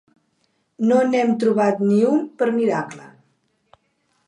No n'hem trobat ni un per miracle.